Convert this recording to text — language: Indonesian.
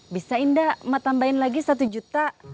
bisa indah mak tambahin lagi satu juta